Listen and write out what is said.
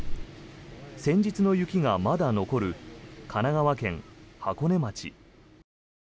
先日の雪がまだ残る神奈川県箱根町。